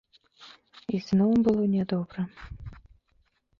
І зноў было нядобра.